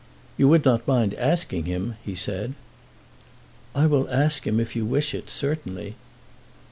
"You would not mind asking him," he said. "I will ask him if you wish it, certainly."